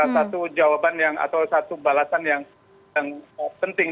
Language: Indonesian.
satu jawaban atau satu balasan yang penting